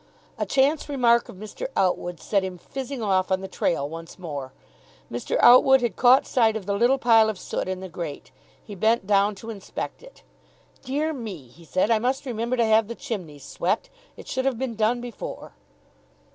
A chance remark of Mr. Outwood's set him fizzing off on the trail once more. Mr. Outwood had caught sight of the little pile of soot in the grate. He bent down to inspect it. "Dear me," he said, "I must remember to have the chimneys swept. It should have been done before."